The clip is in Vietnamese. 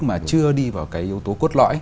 mà chưa đi vào cái yếu tố cốt lõi